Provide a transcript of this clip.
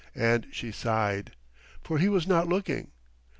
And she sighed.... For he was not looking.